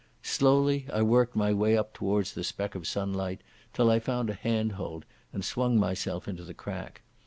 Slowly I worked my way towards the speck of sunlight, till I found a handhold, and swung myself into the crack.